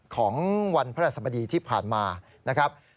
ของวันพระราชสมดีที่ผ่านมานะครับ